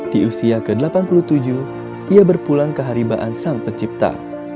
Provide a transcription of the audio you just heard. di usia ke delapan puluh tujuh ia berpulang ke haribaan sang pencipta